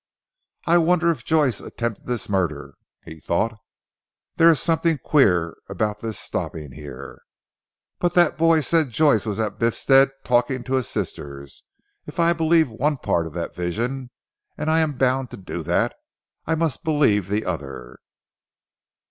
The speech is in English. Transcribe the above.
"I wonder if Joyce attempted this murder," he thought. "There is something queer about this stopping here. But that boy said Joyce was at Biffstead talking to his sisters, if I believe one part of that vision and I am bound to do that I must believe the other.